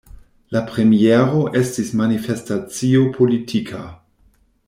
La premiero estis manifestacio politika.